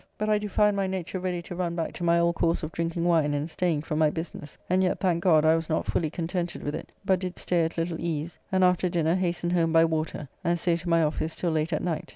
But I do find my nature ready to run back to my old course of drinking wine and staying from my business, and yet, thank God, I was not fully contented with it, but did stay at little ease, and after dinner hastened home by water, and so to my office till late at night.